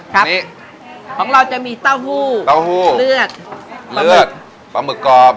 ครับนี่ของเราจะมีเต้าหู้เต้าหู้เลือดเลือดปลาหมึกกรอบ